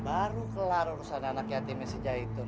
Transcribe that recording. baru kelar urusan anak yatimnya si jaitun